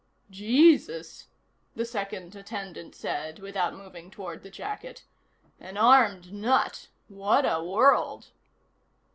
"Jesus," the second attendant said, without moving toward the jacket. "An armed nut. What a world."